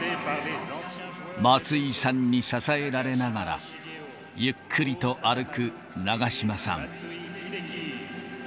松井さんに支えられながら、ゆっくりと歩く長嶋さん。